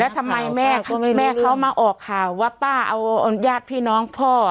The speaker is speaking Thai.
ทำไมแม่เขามาออกข่าวว่าป้าเอาญาติพี่น้องพ่อ